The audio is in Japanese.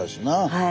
はい。